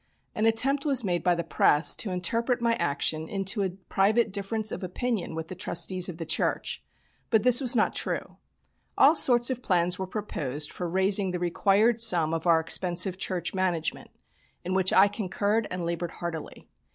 An attempt was made by the Press to interpret my action into a private difference of opinion with the trustees of the church but this was not true. All sorts of plans were proposed for raising the required sum of our expensive church management, in which I concurred and laboured heartily.